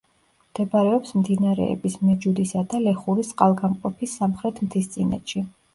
მდებარეობს მდინარეების მეჯუდისა და ლეხურის წყალგამყოფის სამხრეთ მთისწინეთში.